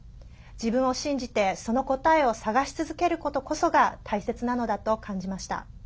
自分を信じてその答えを探し続けることこそが大切なのだと感じました。